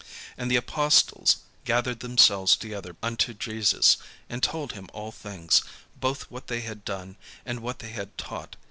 And the apostles gathered themselves together unto Jesus, and told him all things, both what they had done, and what they had taught.